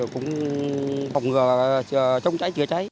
cũng không ngờ trong cháy chữa cháy